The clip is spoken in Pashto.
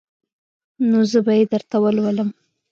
نو زه به يې درته ولولم.